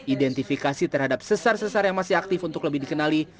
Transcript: identifikasi terhadap sesar sesar yang masih aktif untuk lebih dikenali